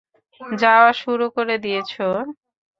যাওয়া শুরু করে দিয়েছ?